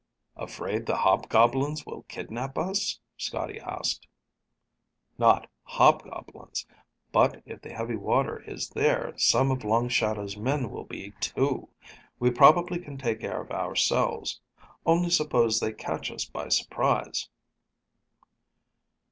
"Afraid the hobgoblins will kidnap us?" Scotty asked. "Not hobgoblins. But if the heavy water is there, some of Long Shadow's men will be, too. We probably can take care of ourselves. Only suppose they catch us by surprise?"